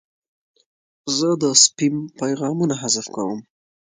زه د سپیم پیغامونه حذف کوم.